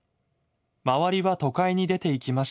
周りは都会に出ていきました。